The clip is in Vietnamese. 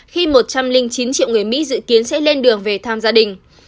khi một trăm linh chín triệu người mỹ dự kiến sẽ lên đường về thăm gia đình